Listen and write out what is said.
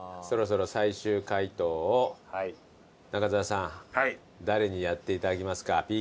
そろそろ最終解答を中澤さん誰にやっていただきますか？